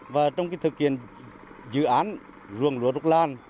và trong cái thực hiện dự án ruồng lúa rục lan